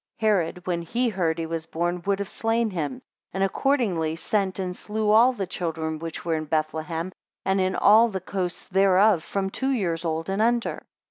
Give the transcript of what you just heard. Herod, when he heard he was born, would have slain him; and accordingly sent and slew all the children which were in Bethlehem, and in all the coasts thereof, from two years old and under.